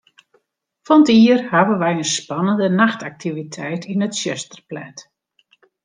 Fan 't jier hawwe wy in spannende nachtaktiviteit yn it tsjuster pland.